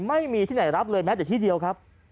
ไม่มีที่ไหนรับเลยแม้แต่ที่เดียวครับ